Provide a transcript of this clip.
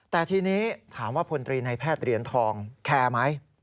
แต่ทีนี้ถามว่าพลตรีในแพทย์เหรียญทองแคร์ไหม